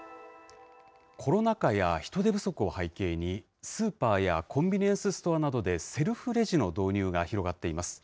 コロナ禍や人手不足を背景に、スーパーやコンビニエンスストアなどでセルフレジの導入が広がっています。